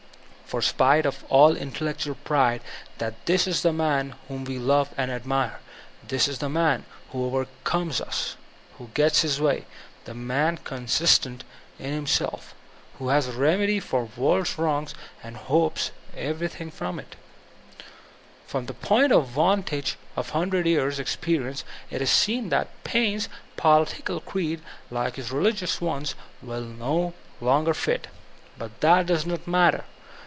For spite 278 VOLTAIRINE DE ClEYRE of all intellectual pride this is the man whom we love and admire ; this is the man who overcomes us, who gets his way; this man consistent in himself » who has a remedy for the world's wrongs and hopes everythi$ig from it I From the point of vantage of 100 years' experience it is seen that Paine's political creed^like his religious one, will no longer fit. But that does not matter.